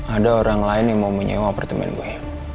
ada orang lain yang mau menyewa apartemen gue